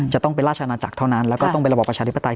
จะต้องเป็นราชอาณาจักรเท่านั้นแล้วก็ต้องเป็นระบอบประชาธิปไตย